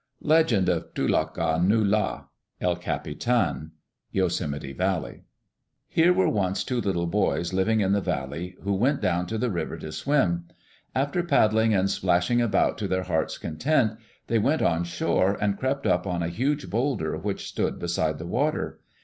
Legend of Tu Tok A Nu' La (El Capitan) Yosemite Valley Here were once two little boys living in the valley who went down to the river to swim. After paddling and splashing about to their hearts' content, they went on shore and crept up on a huge boulder which stood beside the water.